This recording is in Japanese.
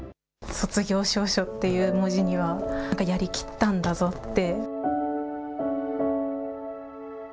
卒業証書っていう文字には、なんかやりきったんだぞって。